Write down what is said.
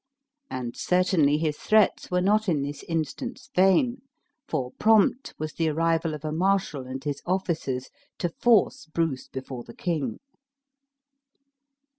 And certainly his threats were not in this instance vain; for prompt was the arrival of a marshal and his officers to force Bruce before the king.